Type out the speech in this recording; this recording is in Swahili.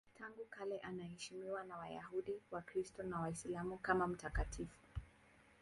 Tangu kale anaheshimiwa na Wayahudi, Wakristo na Waislamu kama mtakatifu.